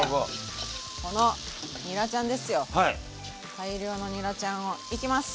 大量のにらちゃんをいきます！